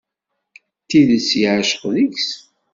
D tidet yeɛceq deg-s.